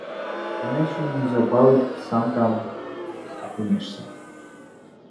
Іначай неўзабаве сам там апынешся.